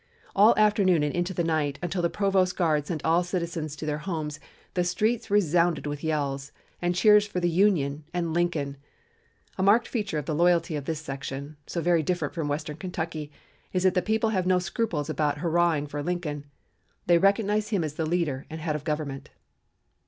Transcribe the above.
All afternoon and into the night until the provost guard sent all citizens to their homes the streets resounded with yells, and cheers for the 'Union' and 'Lincoln.' A marked feature of the loyalty of this section (so different from western Kentucky) is that the people have no scruples about hurrahing for Lincoln, they recognize him as the leader and head of the Government.